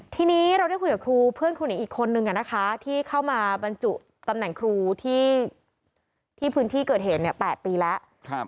ทีนี้เราได้คุยกับครูเพื่อนครูหนิงอีกคนนึงที่เข้ามาบรรจุตำแหน่งครูที่พื้นที่เกิดเหตุ๘ปีแล้ว